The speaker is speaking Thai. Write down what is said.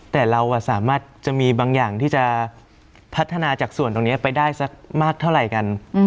แต่เราสามารถจะมีบางอย่างที่จะพัฒนาจากส่วนตรงนี้ไปได้สักมากเท่าไหร่กัน